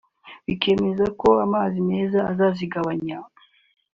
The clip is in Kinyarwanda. bakemeza ko amazi meza azazigabanya